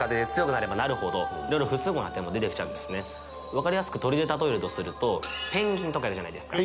わかりやすく鳥で例えるとするとペンギンとかいるじゃないですか。